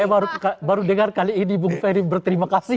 saya baru dengar kali ini bung ferry berterima kasih